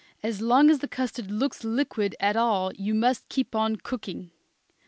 As long as the custard looks liquid at all, you must keep on cooking.